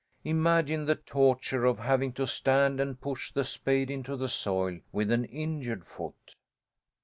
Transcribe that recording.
Imagine the torture of having to stand and push the spade into the soil with an injured foot!